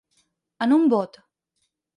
En un bot.